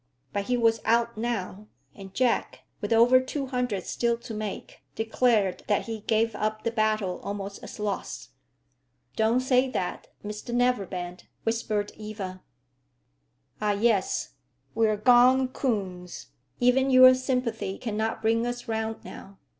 But he was out now; and Jack, with over 200 still to make, declared that he gave up the battle almost as lost. "Don't say that, Mr Neverbend," whispered Eva. "Ah yes; we're gone coons. Even your sympathy cannot bring us round now.